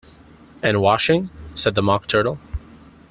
‘And washing?’ said the Mock Turtle.